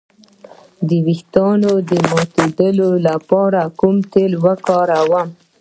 د ویښتو د ماتیدو لپاره کوم تېل وکاروم؟